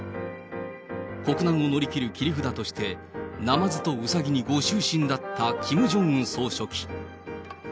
国難を乗り切る切り札として、ナマズとうさぎにご執心だったキム・ジョンウン総書記。